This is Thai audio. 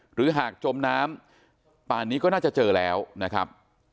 หรือหากจมน้ำป่านนี้ก็น่าจะเจอแล้วนะครับ